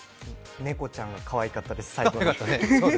猫ちゃんがかわいかったです。